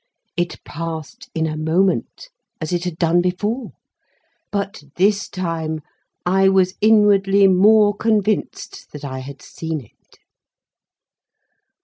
It passed in a moment, as it had done before; but, this time, I was inwardly more convinced that I had seen it.